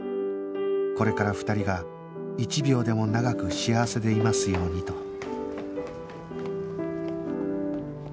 これから２人が一秒でも長く幸せでいますようにと